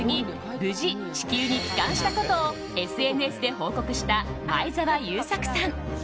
無事、地球に帰還したことをＳＮＳで報告した前澤友作さん。